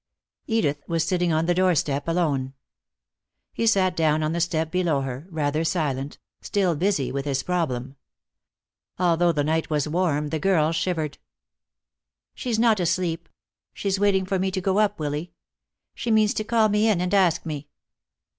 Edith was sitting on the doorstep, alone. He sat down on the step below her, rather silent, still busy with his problem. Although the night was warm, the girl shivered. "She's not asleep. She's waiting for me to go up, Willy. She means to call me in and ask me."